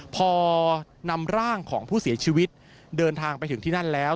พอนำร่างของผู้เสียชีวิตเดินทางไปถึงที่นั่นแล้ว